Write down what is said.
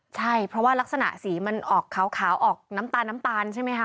ใช่เพราะว่ารักษณะสีมันออกขาวออกน้ำตาลน้ำตาลใช่ไหมคะ